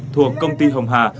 thuộc công ty hồng hà